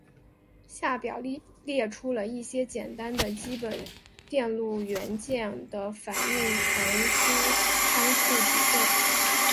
下表列出了一些简单的基本电路元件的反向传输参数矩阵。